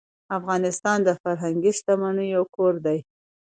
افغانستان د فرهنګي شتمنیو کور دی.